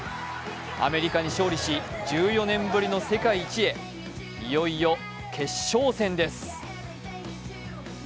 アメリカに勝利し、１４年ぶりの世界一へ、いよいよ決勝戦です。